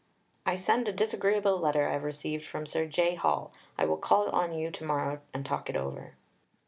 "I send a disagreeable letter I have received from Sir J. Hall. I will call on you to morrow and talk it over."